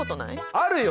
あるよ！